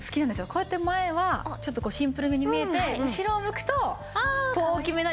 こうやって前はちょっとシンプルめに見えて後ろを向くと大きめなリボン。